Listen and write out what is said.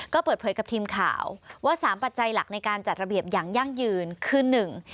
ก็เปิดเผยกับทีมข่าวว่าสามปัจจัยหลักในการจัดระเบียบอย่างยั่งยืนคือหนึ่ง